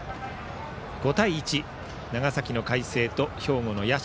５対１、長崎の海星と兵庫の社。